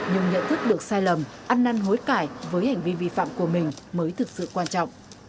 nhưng nhận thức được sai lầm ăn năn hối cải với hành vi vi phạm của mình mới thực sự quan trọng